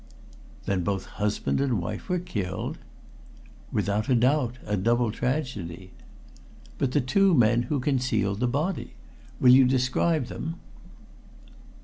"Then both husband and wife were killed?" "Without a doubt a double tragedy." "But the two men who concealed the body! Will you describe them?"